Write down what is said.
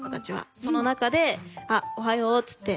その中で「おはよう」っつって。